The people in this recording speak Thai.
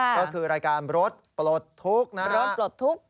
ก็คือรายการรถปลดทุกข์นะครับ